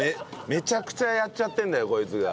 めちゃくちゃやっちゃってんだよこいつが。